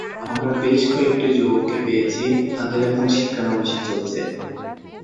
আমরা বেশ কয়েকটি যুবককে পেয়েছি, তাদের এখন শিক্ষানবিশী চলছে।